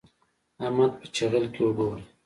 احمد په چيغل کې اوبه وړي.